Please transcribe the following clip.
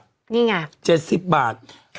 นี่ไง๗๐บาท